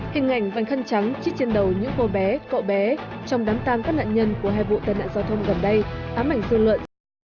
hình ảnh vành khăn trắng chít trên đầu những cô bé cậu bé trong đám tang các nạn nhân của hai vụ tai nạn giao thông gần đây ám ảnh dư luận